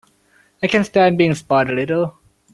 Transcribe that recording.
I can stand being spoiled a little.